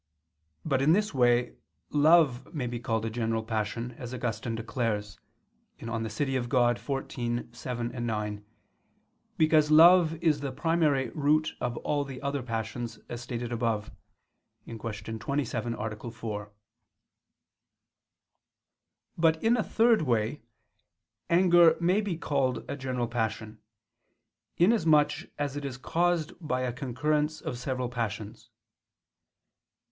But in this way, love may be called a general passion, as Augustine declares (De Civ. Dei xiv, 7, 9), because love is the primary root of all the other passions, as stated above (Q. 27, A. 4). But, in a third way, anger may be called a general passion, inasmuch as it is caused by a concurrence of several passions.